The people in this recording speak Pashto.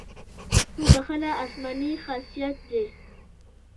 خو بښنه آسماني خاصیت دی.